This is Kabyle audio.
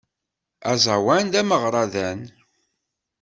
Aẓawan d ameɣradan.